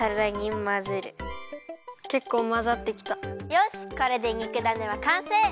よしこれでにくだねはかんせい！